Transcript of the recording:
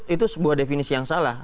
itu sebuah definisi yang salah